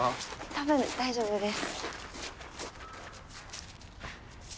多分大丈夫です。